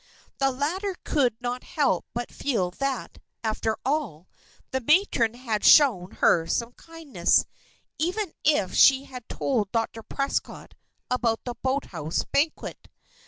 The latter could not help but feel that, after all, the matron had shown her some kindness, even if she had told Dr. Prescott about the boathouse banquet.